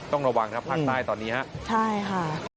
ต้องระวังครับภาคใต้ตอนนี้ฮะใช่ค่ะ